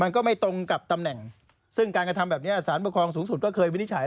ก็ไม่ตรงกับตำแหน่งซึ่งการกระทำแบบนี้สารปกครองสูงสุดก็เคยวินิจฉัย